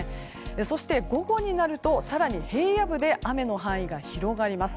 そして、午後になると更に平野部で雨の範囲が広がります。